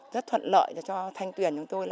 rất thuận lợi cho thanh tuyển chúng tôi